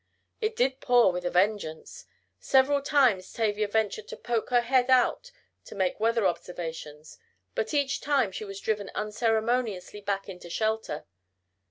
It did pour with a vengeance. Several times Tavia ventured to poke her head out to make weather observations, but each time she was driven unceremoniously back into shelter.